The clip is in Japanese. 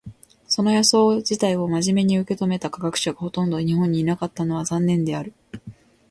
その予想自体を真面目に受け止めた科学者がほとんど日本にいなかったのは残念である。